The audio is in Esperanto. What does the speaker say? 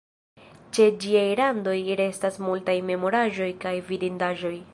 Ĉe ĝiaj randoj restas multaj memoraĵoj kaj vidindaĵoj.